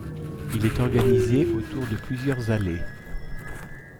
Il est organisé autour de plusieurs allées.